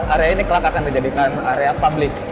area ini kelak akan dijadikan area publik